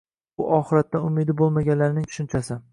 Bu Oxiratdan umidi bo‘lmaganlarning tushunchasi.